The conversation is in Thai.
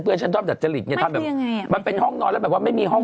มันเป็นแบบว่าเออ